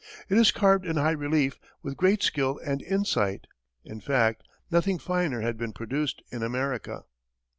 It is carved in high relief, with great skill and insight. In fact, nothing finer had been produced in America.